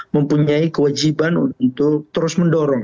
mempunyai kewajiban untuk terus mendorong